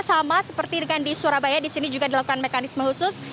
sama seperti di surabaya disini juga dilakukan mekanisme khusus